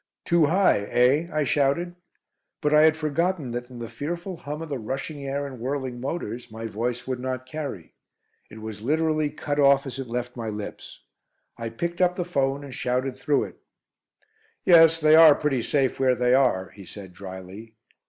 "Too high, eh?" I shouted. But I had forgotten that in the fearful hum of the rushing air and whirling motors my voice would not carry. It was literally cut off as it left my lips. I picked up the 'phone and shouted through it. "Yes, they are pretty safe where they are," he said drily.